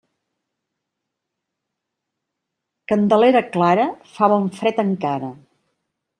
Candelera clara, fa bon fred encara.